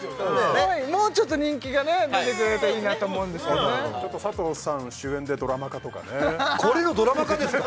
もうちょっと人気が出てくれるといいなと思うんですけどね佐藤さん主演でドラマ化とかねこれのドラマ化ですか？